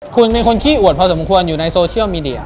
คุณเป็นคนขี้อวดพอสมควรอยู่ในโซเชียลมีเดีย